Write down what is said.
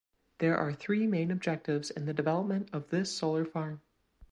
There are three main objectives in the development of this solar farm.